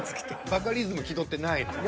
バカリズム気取ってないのよ。